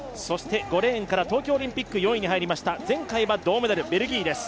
５レーンから東京オリンピック４位に入りました、前回は銅メダル、ベルギーです。